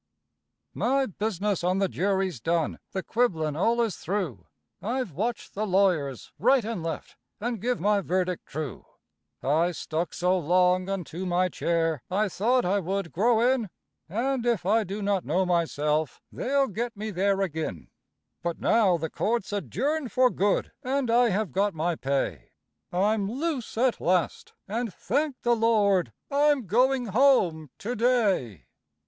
My business on the jury's done the quibblin' all is through I've watched the lawyers right and left, and give my verdict true; I stuck so long unto my chair, I thought I would grow in; And if I do not know myself, they'll get me there ag'in; But now the court's adjourned for good, and I have got my pay; I'm loose at last, and thank the Lord, I'm going home to day.